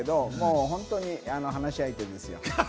本当に話し相手ですよ。